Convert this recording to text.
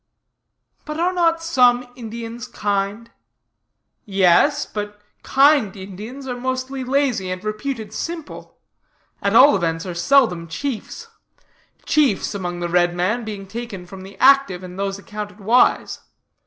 But are not some Indians kind? Yes, but kind Indians are mostly lazy, and reputed simple at all events, are seldom chiefs; chiefs among the red men being taken from the active, and those accounted wise.